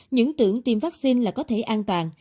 những tưởng tiêm vaccine là có thể an toàn